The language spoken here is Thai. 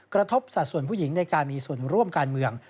กระทบสัดส่วนผู้หญิงในการมีส่วนร่วมการเมือง